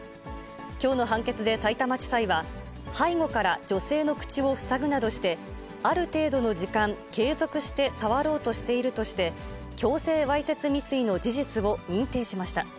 きょうの判決でさいたま地裁は、背後から女性の口を塞ぐなどして、ある程度の時間、継続して触ろうとしているとして、強制わいせつ未遂の事実を認定しました。